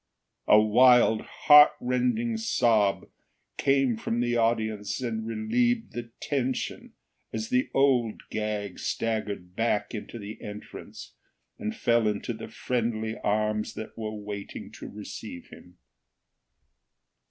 A wild, heartrending sob came from the audience and relieved the tension as the Old Gag staggered back into the entrance and fell into the friendly arms that were waiting to receive him.